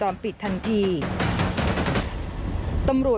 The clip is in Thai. มันกลับมาแล้ว